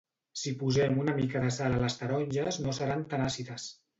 Si posem una mica de sal a les taronges no seran tan àcides